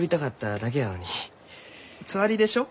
つわりでしょ？